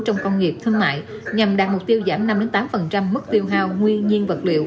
trong công nghiệp thương mại nhằm đạt mục tiêu giảm năm tám mức tiêu hao nguyên nhiên vật liệu